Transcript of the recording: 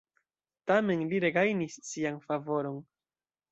Tamen li regajnis ŝian favoron.